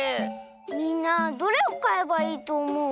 みんなどれをかえばいいとおもう？